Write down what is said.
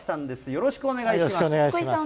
よろしくお願いします。